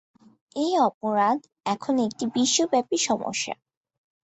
এ অপরাধ এখন একটি বিশ্বব্যাপী সমস্যা।